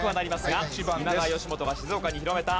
今川義元が静岡に広めた。